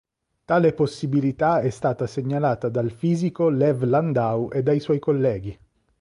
Tale possibilità è stata segnalata dal fisico Lev Landau e dai suoi colleghi.